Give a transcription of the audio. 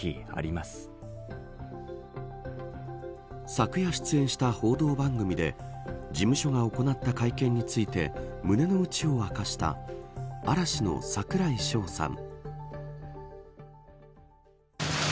昨夜出演した報道番組で事務所が行った会見について胸の内を明かした嵐の櫻井翔さん。